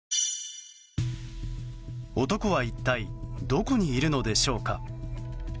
男は、一体どこにいるのでしょうか。